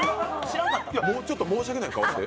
もうちょっと申し訳ない顔して。